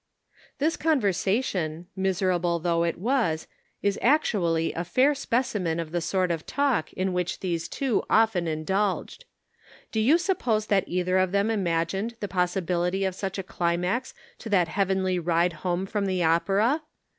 This conversation, miserable though it was is actually a fair specimen of the sort of talk in which these two often indulged. Do you suppose that either of them imagined the pos sibility of such a climax to that heavenly ride home from the opera